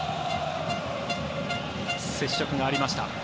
接触がありました。